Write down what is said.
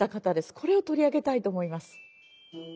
これを取り上げたいと思います。